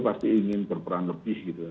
pasti ingin berperan lebih gitu ya